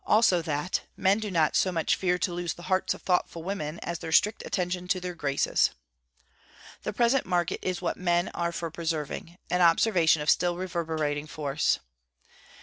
Also that 'men do not so much fear to lose the hearts of thoughtful women as their strict attention to their graces.' The present market is what men are for preserving: an observation of still reverberating force.